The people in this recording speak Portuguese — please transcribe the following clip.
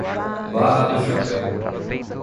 Barra do Chapéu